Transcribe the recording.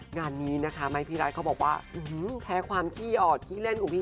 งานนี้นะคะไม้พี่รัฐเขาบอกว่าแพ้ความขี้ออดขี้เล่นของพี่